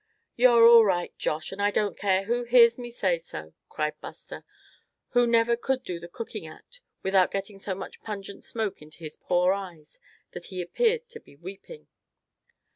"You're all right, Josh, and I don't care who hears me say so," cried Buster, who never could do the cooking act without getting so much pungent smoke in his poor eyes that he appeared to be weeping.